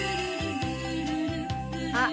「あっ！」